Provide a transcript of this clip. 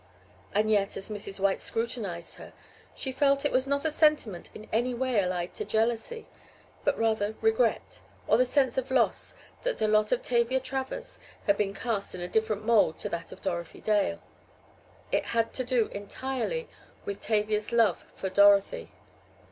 And yet, as Mrs. White scrutinized her, she felt it was not a sentiment in any way allied to jealousy, but rather regret, or the sense of loss that the lot of Tavia Travers had been cast in a different mold to that of Dorothy Dale. It had to do entirely with Tavia's love for Dorothy.